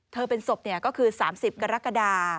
เป็นศพก็คือ๓๐กรกฎา